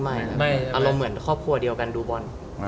อารมณ์เหมือนครอบครัวเดียวกันดูบอล